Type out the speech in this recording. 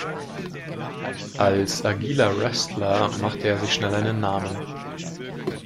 Als agiler Wrestler machte er sich schnell einen Namen.